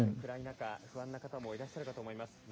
暗い中、不安な方もいらっしゃると思います。